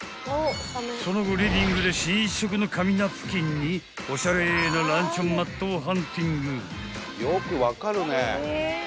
［その後リビングで新色の紙ナプキンにおしゃれなランチョンマットをハンティング］